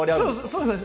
そうですね。